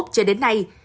cho đến nay